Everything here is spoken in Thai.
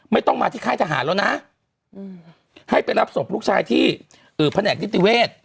ไม่ต้องมาที่ค่ายทหารแล้วนะให้ไปรับศพลูกชายที่แผนกนิติเวศ